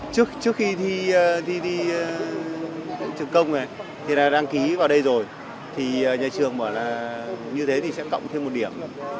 trước khi thi trường công này đăng ký vào đây rồi nhà trường bảo là như thế thì sẽ cộng thêm một điểm